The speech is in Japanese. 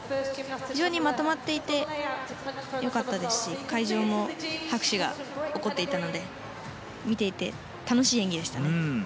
非常にまとまっていて良かったですし会場も拍手が起こっていたので見ていて楽しい演技でしたね。